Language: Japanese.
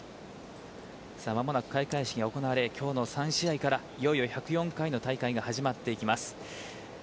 間もなく開会式が行われきょうの３試合からいよいよ１０４回の大会が始まります。